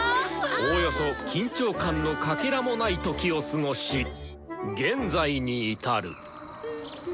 おおよそ緊張感のかけらもない時を過ごし現在に至る。